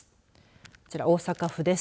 こちら大阪府です。